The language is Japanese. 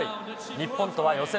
日本とは予選